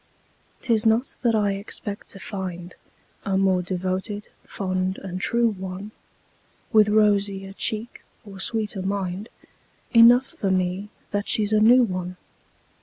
'Tis not that I expect to find A more devoted, fond and true one, With rosier cheek or sweeter mind Enough for me that she's a new one.